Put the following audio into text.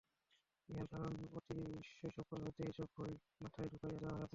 ইহার কারণ অতি শৈশবকাল হইতেই এইসব ভয় মাথায় ঢুকাইয়া দেওয়া হইয়াছে।